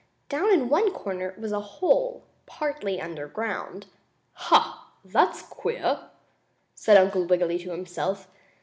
Down in one corner was a hole, partly underground. "Ha! That's queer," said Uncle Wiggily to himself.